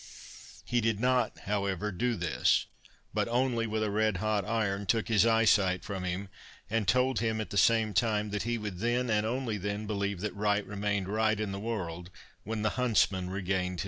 He did not, however, do this, but only, with a red hot iron, took his eyesight from him, and told him at the same time, that he would then and then only believe that right remained right in the world, when the huntsman regained his sight.